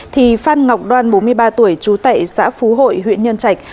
thì phát ngọc đoan bốn mươi ba tuổi chú tại xã phú hội huyện nhân trạch